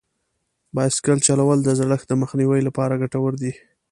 بایسکل چلول د زړښت د مخنیوي لپاره ګټور دي.